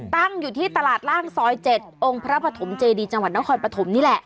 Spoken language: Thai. ตั้งอยู่ที่ตลาดล่างซอย๗องค์พระปฐมเจดีจังหวัดนครปฐมนี่แหละ